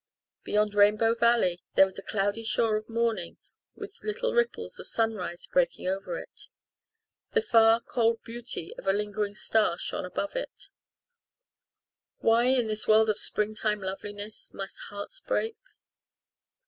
Beyond Rainbow Valley there was a cloudy shore of morning with little ripples of sunrise breaking over it. The far, cold beauty of a lingering star shone above it. Why, in this world of springtime loveliness, must hearts break?